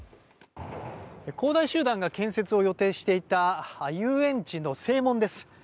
恒大集団が建設を予定していた遊園地の正門です。